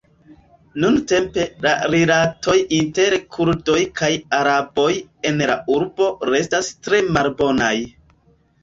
Nuntempe la rilatoj inter Kurdoj kaj Araboj en la urbo restas tre malbonaj.